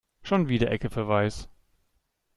Schon wieder Ecke für Weiß.